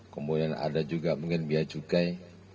kemudian ada juga mungkin biaya cukai